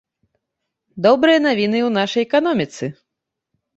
Добрыя навіны і ў нашай эканоміцы.